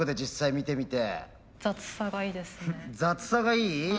雑さがいい？